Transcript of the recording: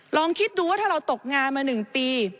ลองคิดดูว่าถ้าเราตกงานมา๑ปี